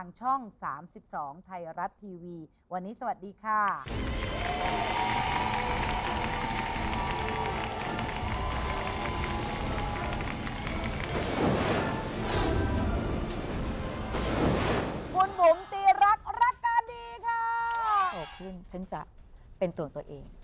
โบกคุณฉันจะเป็นตัวตัวเอง